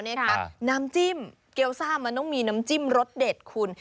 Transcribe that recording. น้ำจิ้มเกี๊ยซ่ามันต้องมีน้ำจิ้มรสเด็ดคุณ